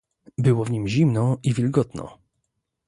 "Było w nim zimno i wilgotno."